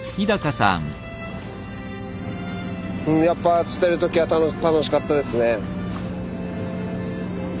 やっぱ釣ってる時は楽しかったですね。